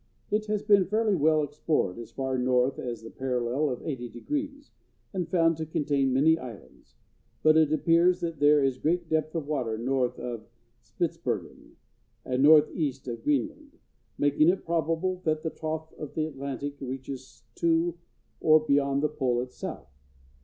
It has been fairly well explored as far north as the parallel of 80°, and found to contain many islands; but it appears that there is great depth of water north of Spitzbergen and northeast of Greenland, making it probable that the trough of the Atlantic reaches to or beyond the pole itself.